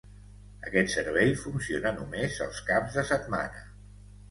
Aquest servei funciona només els caps de setmana.